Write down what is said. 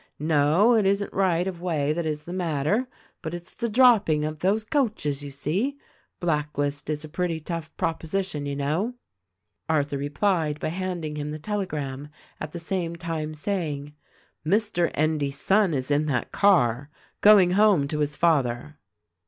No; it isn't right of way that is the matter, but it's the dropping of those coaches, you see. Blacklist is a pretty tough proposition, you know." Arthur replied by handing him the telegram, at the same time saying, "Mr. Endy's son is in that car — going home to his father."